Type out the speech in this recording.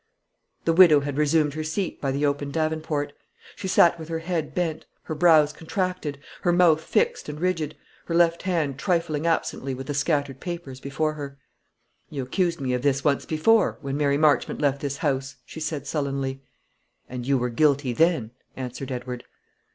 The widow had resumed her seat by the open davenport. She sat with her head bent, her brows contracted, her mouth fixed and rigid, her left hand trifling absently with the scattered papers before her. "You accused me of this once before, when Mary Marchmont left this house," she said sullenly. "And you were guilty then," answered Edward.